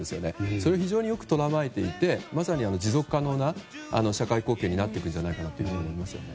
それを非常によく捉えていてまさに持続可能な社会貢献になっていくんじゃないかなと思いますね。